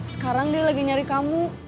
sekarang dia lagi nyari kamu